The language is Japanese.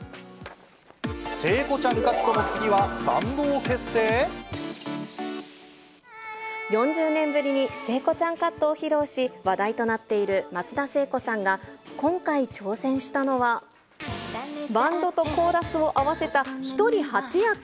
聖子ちゃんカットの次はバン４０年ぶりに聖子ちゃんカットを披露し、話題となっている松田聖子さんが、今回、挑戦したのは、バンドとコーラスを合わせた１人８役。